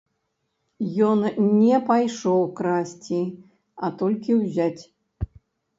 Ён не пайшоў красці, а толькі ўзяць.